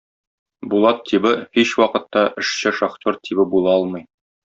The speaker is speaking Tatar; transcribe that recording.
Булат тибы һич вакытта эшче шахтер тибы була алмый.